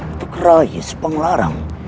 untuk raih sibanglarang